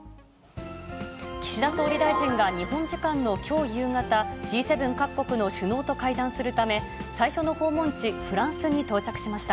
岸田総理大臣が日本時間のきょう夕方、Ｇ７各国の首脳と会談するため、最初の訪問地、フランスに到着しました。